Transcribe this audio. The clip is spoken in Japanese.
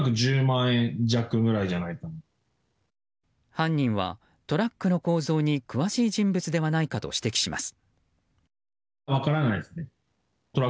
犯人は、トラックの構造に詳しい人物ではないかと指摘します。